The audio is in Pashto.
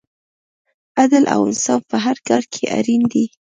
عدل او انصاف په هر کار کې اړین دی.